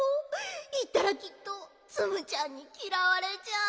いったらきっとツムちゃんにきらわれちゃう。